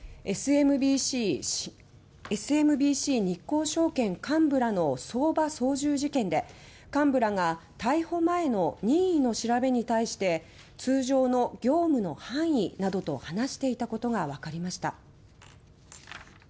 ＳＭＢＣ日興証券幹部らの相場操縦事件で幹部らが逮捕前の任意の調べに対して「通常の業務の範囲」などと話していたことがわかりました。